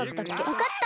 わかった！